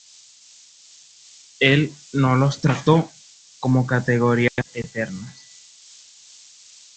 Él no los trató como categorías eternas.